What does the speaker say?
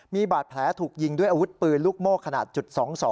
มีบาดแผลถูกยิงด้วยอาวุธปืนลูกโม่ขนาดจุด๒๒